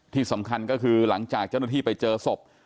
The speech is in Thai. ที่สำคัญก็คือหลังจากเจ้าหน้าที่ไปเจอศพ